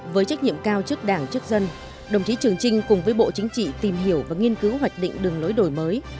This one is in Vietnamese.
với trách nhiệm cao trước đảng trước dân đồng chí trường trinh cùng với bộ chính trị tìm hiểu và nghiên cứu hoạch định đường lối đổi mới